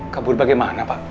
kabur bagaimana pak